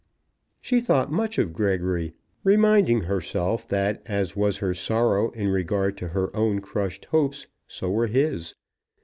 She thought much of Gregory, reminding herself that as was her sorrow in regard to her own crushed hopes, so were his.